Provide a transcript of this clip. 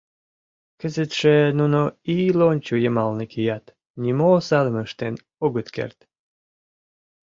Кызытше нуно ий лончо йымалне кият, нимо осалым ыштен огыт керт.